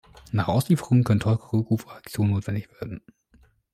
Nach Auslieferung können teure Rückrufaktionen notwendig werden.